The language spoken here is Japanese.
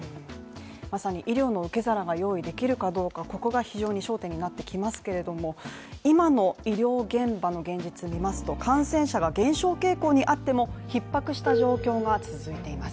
まさに医療の受け皿が用意できるかどうかここが非常に焦点になってきますけれども今の医療現場の現実見ますと感染者が減少傾向にあっても逼迫した状況が続いています